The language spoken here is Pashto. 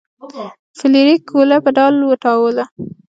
فلیریک ګوله په ډال وتاوله.